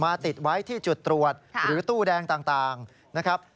ติดไว้ที่จุดตรวจหรือตู้แดงต่างนะครับ